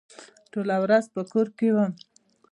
ټوله ورځ په کور کې وم.